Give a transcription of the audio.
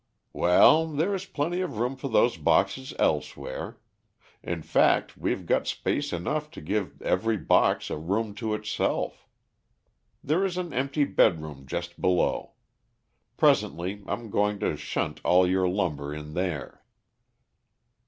"Well, there is plenty of room for those boxes elsewhere in fact, we've got space enough to give every box a room to itself. There is an empty bedroom just below. Presently I'm going to shunt all your lumber in there."